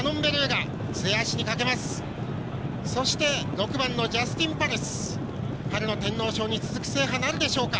６番、ジャスティンパレス春の天皇賞に続く制覇があるでしょうか。